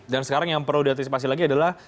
dan sekarang yang perlu diantisipasi lagi adalah